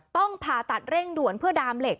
ผ่าตัดเร่งด่วนเพื่อดามเหล็ก